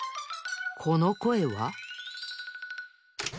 このこえは？